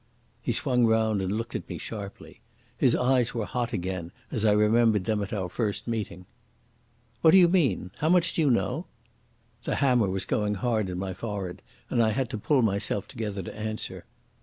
He swung round and looked at me sharply. His eyes were hot again, as I remembered them at our first meeting. "What do you mean? How much do you know?" The hammer was going hard in my forehead, and I had to pull myself together to answer.